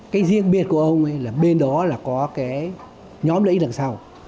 cái riêng biệt của ông ấy là bên đó là có cái nhóm lợi ích đằng sau